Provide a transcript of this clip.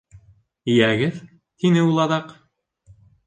— Йәгеҙ, — тине ул аҙаҡ.